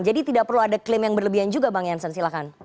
jadi tidak perlu ada klaim yang berlebihan juga bang janssen silahkan